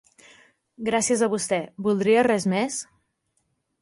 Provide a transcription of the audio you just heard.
Gràcies a vostè, voldria res més?